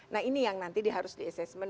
nah ini yang nanti harus di assessment